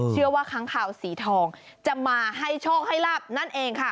เชื่อว่าค้างคาวสีทองจับมาให้โชคให้ลับนั่นเองค่ะ